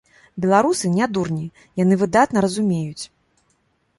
Беларусы не дурні, яны выдатна разумеюць.